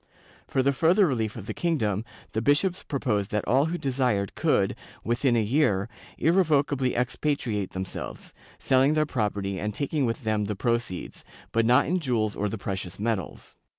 For the further relief of the kingdom, the bishops proposed that all who desired could, within a year, irrevocably expatriate themselves, selling their property and taking with them the proceeds, but not in jewels or the precious metals.